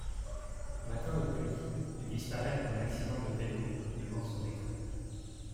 Un matin de pluie, il disparaît dans un accident de vélo, devant son école.